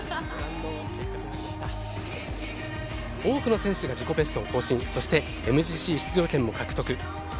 多くの選手が自己ベストを更新そしてＭＧＣ出場権も獲得。